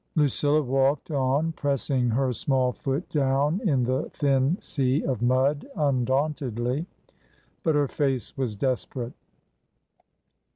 Lucilla walked on, pressing her small foot down in the thin sea of mud undauntedly. But her face was desperate.